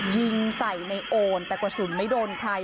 ยิงใส่ในโอนแต่กระสุนไม่โดนใคร